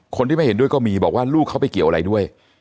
คนที่ไม่เห็นด้วยก็มีบอกว่าลูกเขาไปเกี่ยวอะไรด้วย